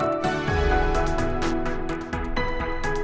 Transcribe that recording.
aku senang banget deh